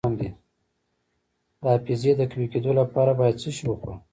د حافظې د قوي کیدو لپاره باید څه شی وخورم؟